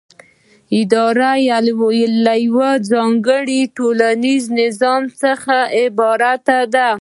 اداره له یوه ځانګړي ټولنیز نظام څخه عبارت ده.